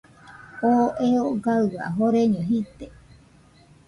Oo eo gaɨa joreño jide.